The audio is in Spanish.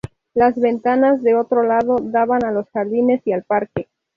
Las ventanas del otro lado daban a los jardines y al parque.